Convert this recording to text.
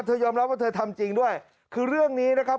ยอมรับว่าเธอทำจริงด้วยคือเรื่องนี้นะครับ